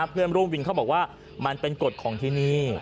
เพื่อนร่วมวินเขาบอกว่ามันเป็นกฎของที่นี่